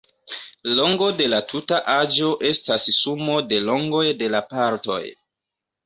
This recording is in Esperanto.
Longo de la tuta aĵo estas sumo de longoj de la partoj.